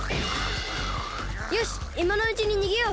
よしいまのうちににげよう！